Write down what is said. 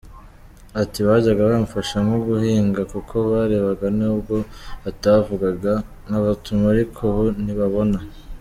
Ati “Bajyaga bamfasha nko guhinga kuko barebaga nubwo batavugaga, nkabatuma ariko ubu ntibabona.